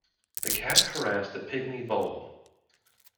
The cat harassed the pygmy vole.